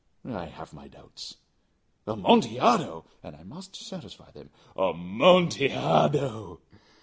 "I have my doubts." "Amontillado!" "And I must satisfy them." "Amontillado!"